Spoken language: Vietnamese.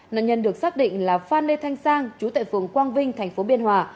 nạn nhân được xác định là phan lê thanh sang chú tại phường quang vinh tp biên hòa